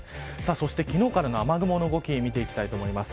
そして昨日からの雨雲の動きを見ていきます。